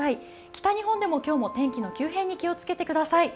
北日本でも今日も天気の急変に気をつけてください。